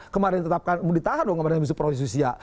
kemarin ditahan dong kemarin yang misal prosesusia